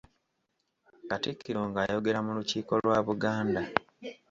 Katikkiro ng’ayogera mu Lukiiko lwa Buganda.